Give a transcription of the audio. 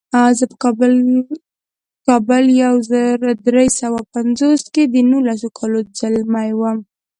زه په کال یو زر درې سوه پنځوس کې د نولسو کالو ځلمی وم.